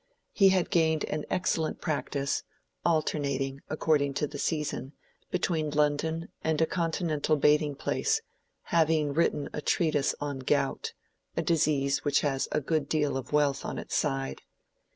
He had gained an excellent practice, alternating, according to the season, between London and a Continental bathing place; having written a treatise on Gout, a disease which has a good deal of wealth on its side.